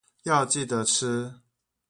要記得吃